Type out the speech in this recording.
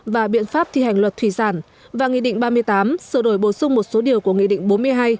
và biện pháp thi hành luật thủy sản và nghị định ba mươi tám sửa đổi bổ sung một số điều của nghị định bốn mươi hai